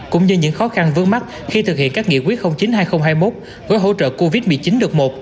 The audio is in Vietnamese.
cũng như những khó khăn vướng mắt khi thực hiện các nghị quyết chín hai nghìn hai mươi một với hỗ trợ covid một mươi chín đợt một